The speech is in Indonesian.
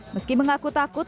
meski mengaku takut